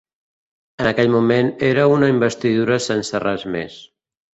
En aquell moment era una investidura sense res més.